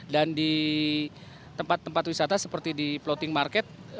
dan di tempat tempat wisata seperti di floating market